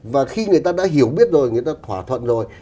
và khi người ta đã hiểu biết rồi người ta thỏa thuận rồi